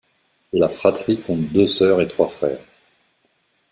La fratrie compte deux sœurs et trois frères.